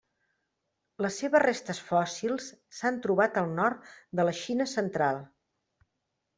Les seves restes fòssils s'han trobat al nord de la Xina central.